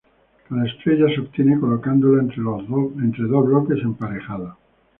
Cada estrella se obtiene colocándola entre dos bloques emparejados.